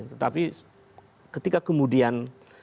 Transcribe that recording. tetapi ketika kemudian